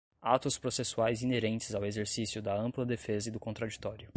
atos processuais inerentes ao exercício da ampla defesa e do contraditório